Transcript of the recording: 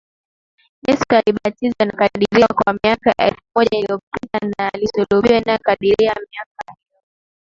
Yesu alibatizwa Inakadiriwa kuwa miaka elfu moja iliyopita na alisulubishwa inakadiriwa miaka hiyo